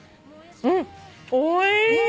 うんおいしい。